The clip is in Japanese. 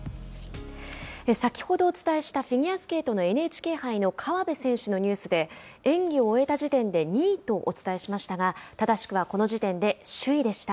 先ほどお伝えしたフィギュアスケートのＮＨＫ杯の河辺選手のニュースで演技を終えた時点で２位とお伝えしましたが正しくはこの時点で首位でした。